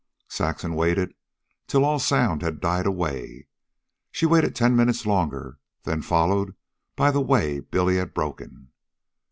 Saxon waited till all sound had died away. She waited ten minutes longer, then followed by the way Billy had broken.